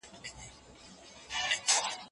پښتو ژبه په انټرنیټ کې غښتلې وساتئ.